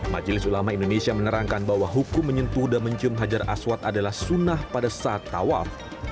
majelis ulama indonesia menerangkan bahwa hukum menyentuh dan mencium hajar aswad adalah sunnah pada saat tawaf